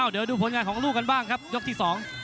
เดี๋ยวดูผลงานของลูกกันบ้างครับยกที่สอง